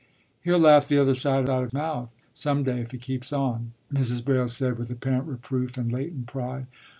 ” “He'll laugh the other side of his mouth, some day, if he keeps on,” Mrs. Braile said with apparent reproof and latent pride.